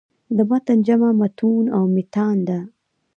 د متن جمع "مُتون" او "مِتان" ده.